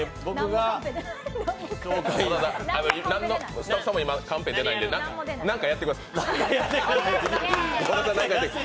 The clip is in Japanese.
スタッフさんも今カンペ出ないので、何かやってください。